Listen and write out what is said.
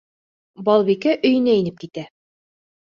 Балбикә өйөнә инеп китә.